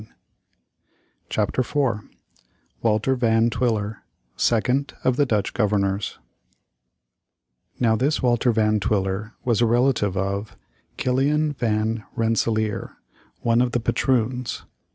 ] CHAPTER IV WALTER VAN TWILLER, SECOND of the DUTCH GOVERNORS Now this Walter Van Twiller was a relative of Kiliaen Van Rensselaer, one of the patroons.